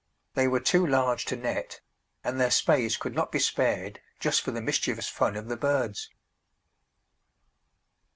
They were too large to net, and their space could not be spared just for the mischievous fun of the birds.